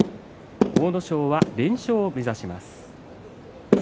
阿武咲は連勝を目指します。